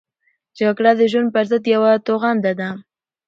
جګړه د ژوند پرضد یوه توغنده ده